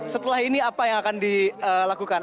setelah ini apa yang akan dilakukan